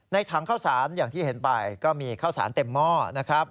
ถังข้าวสารอย่างที่เห็นไปก็มีข้าวสารเต็มหม้อนะครับ